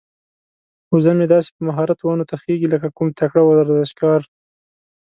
وزه مې داسې په مهارت ونو ته خيږي لکه کوم تکړه ورزشکار.